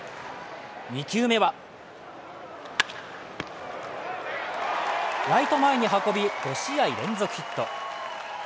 ２球目はライト前に運び、５試合連続ヒット。